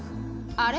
あれ？